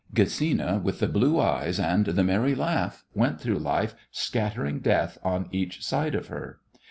Gesina with the blue eyes and the merry laugh went through life scattering death on each side of her.